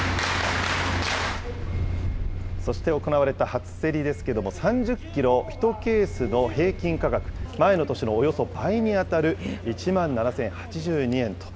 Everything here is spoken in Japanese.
そして行われた初競りですけれども、３０キロ１ケースの平均価格、前の年のおよそ倍に当たる１万７０８２円と。